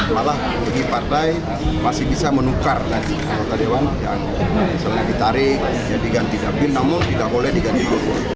malah ini partai masih bisa menukar nanti anggota daerah yang misalnya ditarik yang diganti dapil namun tidak boleh diganti dapil